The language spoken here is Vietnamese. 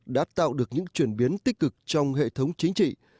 đã tạo được những chuyển biến tích cực trong hệ thống chính trị